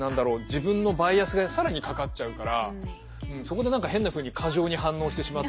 自分のバイアスが更にかかっちゃうからそこで何か変なふうに過剰に反応してしまったりとか